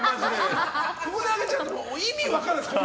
ここであげちゃうと意味分からないですから。